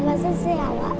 và rất dẻo